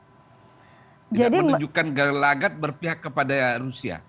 tidak menunjukkan gelagat berpihak kepada rusia